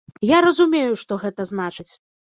Я разумею, што гэта значыць.